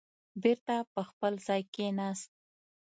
بېرته په خپل ځای کېناست.